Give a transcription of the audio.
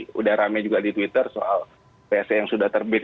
sudah rame juga di twitter soal pse yang sudah terbit